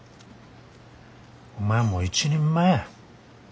お前はもう一人前や。